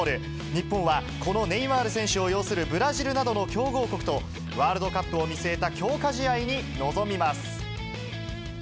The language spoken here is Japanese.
日本はこのネイマール選手を擁するブラジルなどの強豪国と、ワールドカップを見据えた強化試合に臨みます。